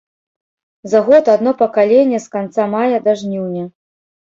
За год адно пакаленне з канца мая да жніўня.